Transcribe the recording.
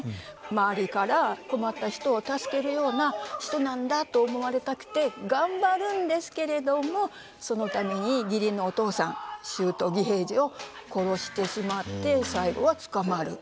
周りから「困った人を助けるような人なんだ」と思われたくて頑張るんですけれどもそのために義理のお父さん舅義平次を殺してしまって最後は捕まる。